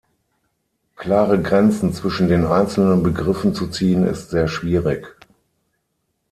Klare Grenzen zwischen den einzelnen Begriffen zu ziehen ist sehr schwierig.